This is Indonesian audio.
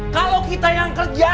kalo kita yang kerja